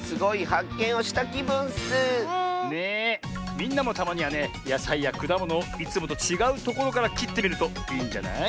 みんなもたまにはねやさいやくだものをいつもとちがうところからきってみるといいんじゃない？